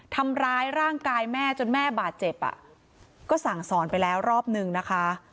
ทำร้ายร่างกายแม่จนแม่บาดเจ็บอ่ะก็สั่งสอนไปแล้วรอบนึงนะคะ